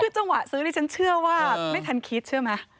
คือจังหวะซื้อนี่ฉันเชื่อว่าไม่ทันคิดเชื่อไหม